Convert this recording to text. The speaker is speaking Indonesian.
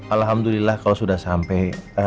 alhamdulillah kau sudah sampai